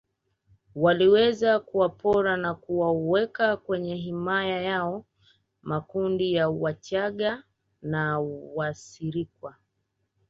Waliweza kuwapora na kuwaweka kwenye himaya yao makundi ya wachaga na Wasirikwa